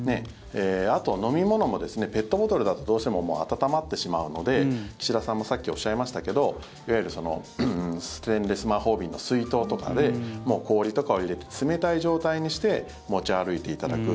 あと、飲み物もペットボトルだとどうしても温まってしまうので岸田さんもさっきおっしゃいましたけどいわゆるステンレス魔法瓶の水筒とかで氷とかを入れて冷たい状態にして持ち歩いていただく。